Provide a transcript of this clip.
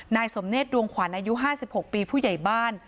นายสมเนศดวงขวัญอายุ๕๖ปีผู้ใหญ่บ้าน